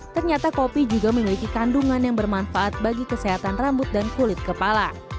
ternyata kopi juga memiliki kandungan yang bermanfaat bagi kesehatan rambut dan kulit kepala